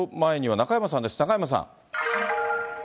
中山さん。